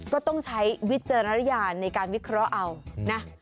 ก็ต้องใช้วิจารณญาณในการวิเคราะห์เอานะ